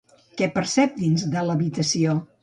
Què percep dins de l'habitació?